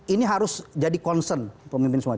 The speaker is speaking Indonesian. ini harus jadi concern pemimpin semua